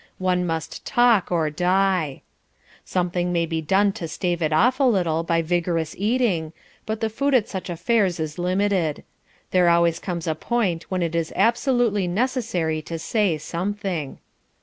One must talk or die. Something may be done to stave it off a little by vigorous eating. But the food at such affairs is limited. There comes a point when it is absolutely necessary to say something.